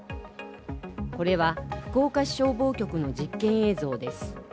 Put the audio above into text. これは福岡市消防局の実験映像です。